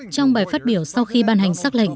trong bài phát biểu sau khi ban hành xác lệnh